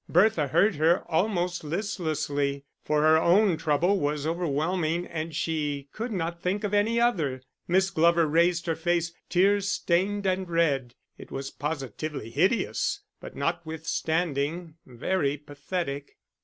Bertha heard her, almost listlessly; for her own trouble was overwhelming and she could not think of any other. Miss Glover raised her face, tear stained and red; it was positively hideous, but notwithstanding, very pathetic.